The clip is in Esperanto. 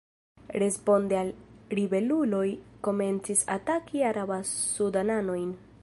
Responde la ribeluloj komencis ataki araba-sudananojn.